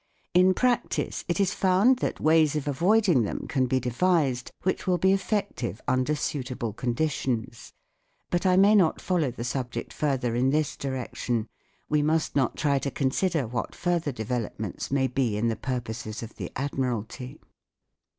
In practice it is found that ways of avoiding them can be devised which will be effective under suitable conditions. But I may not follow the subject further in this direction. We must not try to consider what further developments may be in the purposes of the Admiralty.